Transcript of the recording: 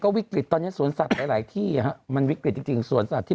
ก็วิกฤตตอนนี้สวนสัตว์หลายที่มันวิกฤตจริงสวนสัตว์ที่